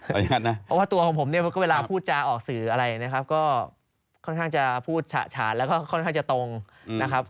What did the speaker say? เพราะว่าตัวของผมเนี่ยก็เวลาพูดจาออกสื่ออะไรนะครับก็ค่อนข้างจะพูดฉะฉานแล้วก็ค่อนข้างจะตรงนะครับ